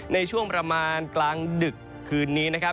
ในช่วงประมาณกลางดึกคืนนี้นะครับ